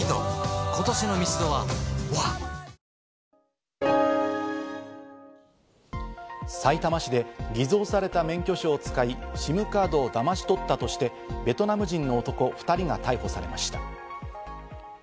トーンアップ出たさいたま市で偽造された免許証を使い、ＳＩＭカードをだまし取ったとして、ベトナム人の男２人が逮捕されました。